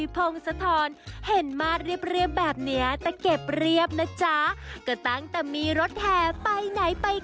โปรดติดตามตอนต่อไป